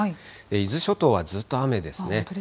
伊豆諸島はずっと雨ですね。